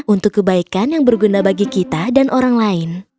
untuk kebaikan yang berguna bagi kita dan orang lain